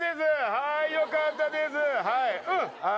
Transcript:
はーい、よかったです。